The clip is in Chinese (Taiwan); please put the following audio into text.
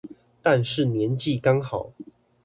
但是年紀剛好